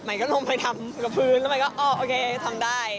ใหม่ก็ลงไปทำกับพื้นแล้วใหม่ก็อ่อโอเคทำได้